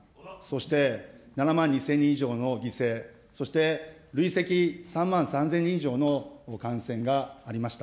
そして７万２０００人以上の犠牲、そして、累積３万３０００人以上の感染がありました。